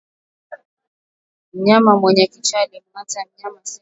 Mnyama mwenye kichaa akimngata mnyama asiye na kichaa humuathiri